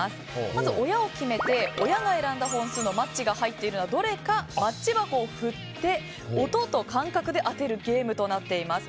まず、親を決めて親が選んだ本数のマッチが入っているのはどれか、マッチ箱を振って音と感覚で当てるゲームとなっています。